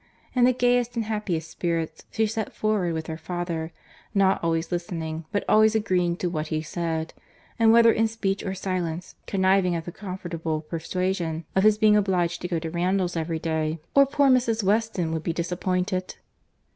In the gayest and happiest spirits she set forward with her father; not always listening, but always agreeing to what he said; and, whether in speech or silence, conniving at the comfortable persuasion of his being obliged to go to Randalls every day, or poor Mrs. Weston would be disappointed.